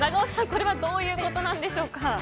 これはどういうことなんでしょうか。